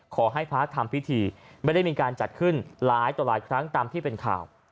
พระทำพิธีไม่ได้มีการจัดขึ้นหลายต่อหลายครั้งตามที่เป็นข่าว